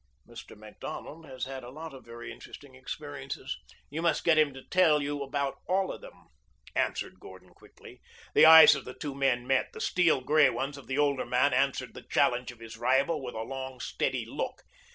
"Mr. Macdonald has had a lot of very interesting experiences. You must get him to tell you about all of them," answered Gordon quietly. The eyes of the two men met. The steel gray ones of the older man answered the challenge of his rival with a long, steady look.